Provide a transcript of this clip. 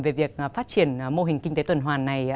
về việc phát triển mô hình kinh tế tư đoàn hoàn này